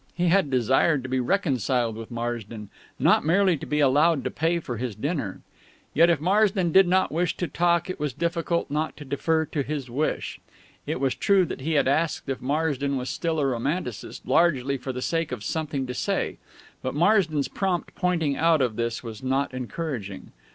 He had desired to be reconciled with Marsden, not merely to be allowed to pay for his dinner. Yet if Marsden did not wish to talk it was difficult not to defer to his wish. It was true that he had asked if Marsden was still a Romanticist largely for the sake of something to say; but Marsden's prompt pointing out of this was not encouraging.